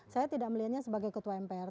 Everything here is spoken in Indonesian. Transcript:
saya tidak melihatnya sebagai ketua mpr